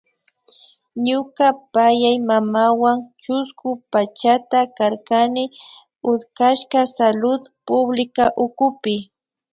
Ñuka payaymamawan chusku pachata karkani utkashka Salud Pública ukupi